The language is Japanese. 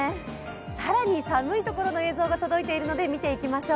更に寒いところの映像が届いているので、見ていきましょう。